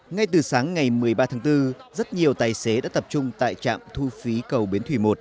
ngay từ sáng ngày một mươi ba tháng bốn rất nhiều tài xế đã tập trung tại trạm thu phí cầu bến thủy một